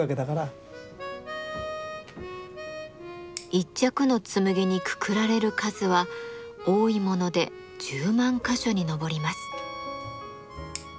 一着の紬にくくられる数は多いもので１０万か所に上ります。